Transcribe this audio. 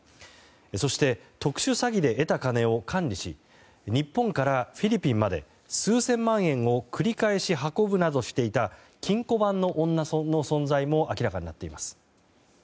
そして特殊詐欺で得た金を管理し日本からフィリピンまで数千万円を繰り返し運ぶなどしていた金庫番の女の存在も明らかになっています。